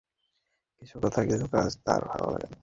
কিছু কথা এবং কিছু কাজ তার ভাল লাগে নি।